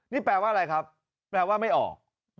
นี่แปลว่าอะไรครับแปลว่าไม่ออก